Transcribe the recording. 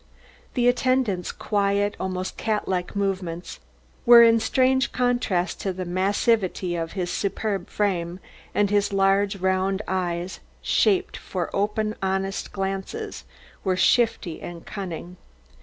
The attendant's quiet, almost cat like movements were in strange contrast to the massivity of his superb frame, and his large round eyes, shaped for open, honest glances, were shifty and cunning.